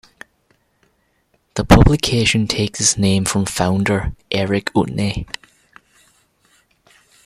The publication takes its name from founder, Eric Utne.